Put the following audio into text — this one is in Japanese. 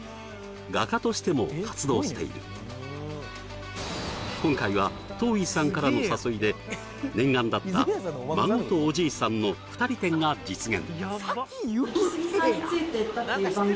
画家としても活動している今回は糖衣さんからの誘いで念願だった孫とおじいさんの二人展が実現